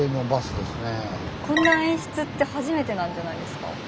こんな演出って初めてなんじゃないですか？